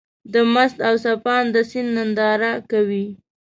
د مست او څپانده سيند ننداره کوې.